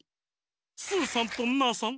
スーさんとナーさん